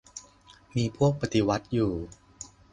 มีพวกปฏิวัติอยู่